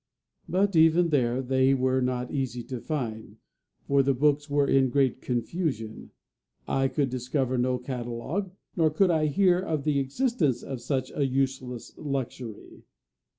But, even there, they were not easy to find; for the books were in great confusion. I could discover no catalogue, nor could I hear of the existence of such a useless luxury.